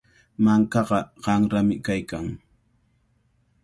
Mankaqa qanrami kaykan.